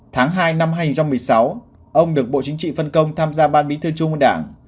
tháng hai năm hai nghìn một mươi sáu ông được bộ chính trị phân công tham gia ban bí thư trung ương đảng